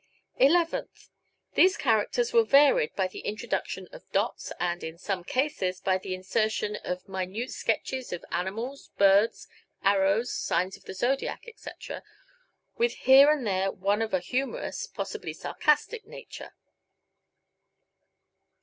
Eleventh: These characters were varied by the introduction of dots, and, in some cases, by the insertion of minute sketches of animals, birds, arrows, signs of the zodiac, etc., with here and there one of a humorous, possibly sarcastic, nature.